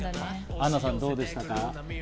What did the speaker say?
アンナさん、どうでしたか？